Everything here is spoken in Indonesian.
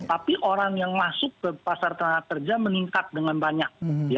tapi orang yang masuk ke pasar tenaga kerja meningkat dengan banyak